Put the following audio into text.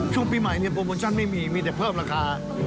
ช่วงปีใหม่เนี่ยโปรโมชั่นไม่มีมีแต่เพิ่มราคา